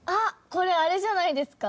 これあれじゃないですか？